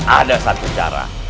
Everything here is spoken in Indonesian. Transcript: ada satu cara